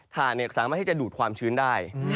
ถ่านเนี่ยสามารถให้จะดูดความชื้นได้